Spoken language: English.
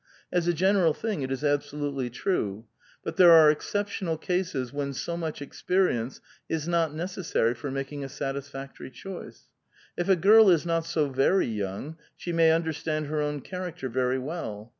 As a general thing it is absolutely true ; but there are exceptional cases when so much experience is not necessary for making a sat isfactory choice. If a girl is not so very young, she may understand her own character very well.